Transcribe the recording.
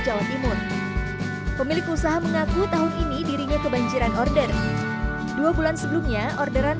jawa timur pemilik usaha mengaku tahun ini dirinya kebanjiran order dua bulan sebelumnya orderan